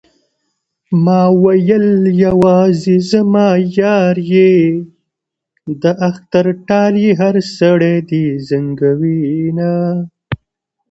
ما ويل يوازې زما يار يې د اختر ټال يې هر سړی دې زنګوينه